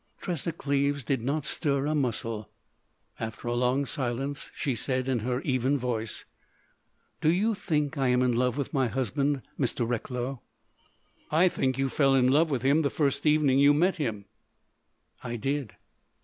Tressa Cleves did not stir a muscle. After a long silence she said in her even voice: "Do you think I am in love with my husband, Mr. Recklow?" "I think you fell in love with him the first evening you met him." "I did."